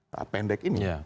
saat pendek ini